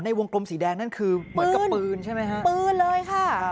วงกลมสีแดงนั่นคือเหมือนกับปืนใช่ไหมฮะปืนเลยค่ะ